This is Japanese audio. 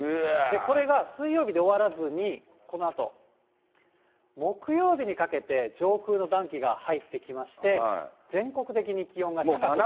これが水曜日で終わらずに、このあと木曜日にかけて、上空の暖気が入ってきまして、全国的に気温が高くなりそう。